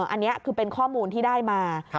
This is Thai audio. อันนี้คือเป็นข้อมูลที่ได้มา